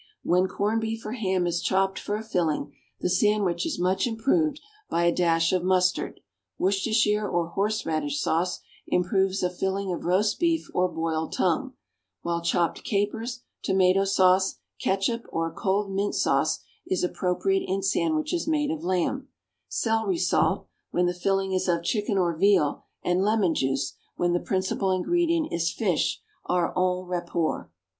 When corned beef or ham is chopped for a filling, the sandwich is much improved by a dash of mustard; Worcestershire or horseradish sauce improves a filling of roast beef or boiled tongue; while chopped capers, tomato sauce, catsup or a cold mint sauce is appropriate in sandwiches made of lamb; celery salt, when the filling is of chicken or veal, and lemon juice, when the principal ingredient is fish, are en rapport.